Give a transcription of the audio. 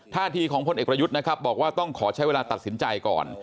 ท่าทีของพลเอกประยุทธ์นะครับบอกว่าต้องขอใช้เวลาตัดสินใจก่อน